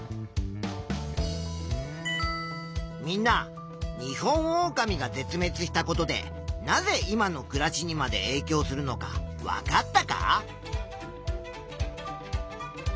みんなニホンオオカミが絶滅したことでなぜ今の暮らしにまでえいきょうするのかわかったか？